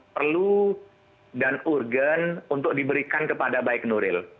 perlu dan urgen untuk diberikan kepada baik nuril